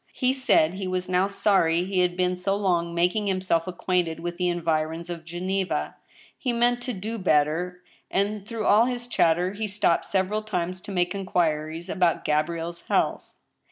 He said he was now sorry he had been so long making himself acquainted with the environs of Geneva, He meant to do better, and, through all his chatter, he stopped several times to make in quiries about Gabrielle's health.